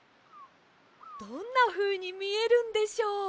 どんなふうにみえるんでしょう？